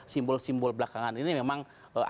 simbol simbol belakangan ini memang